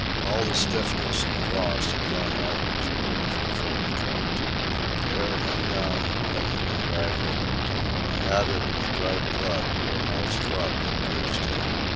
All the stiffness and gloss had gone out of his beautiful furry coat. The hair hung down, limp and draggled, or matted with dried blood where Hal's club had bruised him.